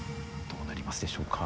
どうなりますでしょうか。